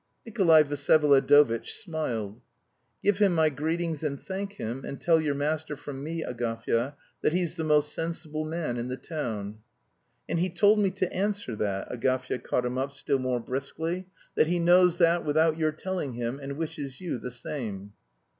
Nikolay Vsyevolodovitch smiled. "Give him my greetings and thank him, and tell your master from me, Agafya, that he's the most sensible man in the town." "And he told me to answer that," Agafya caught him up still more briskly, "that he knows that without your telling him, and wishes you the same."